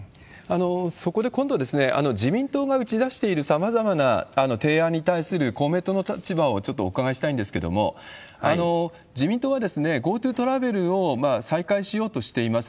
そこで今度、自民党が打ち出しているさまざまな提案に対する公明党の立場をちょっとお伺いしたいんですけれども、自民党はＧｏＴｏトラベルを再開しようとしています。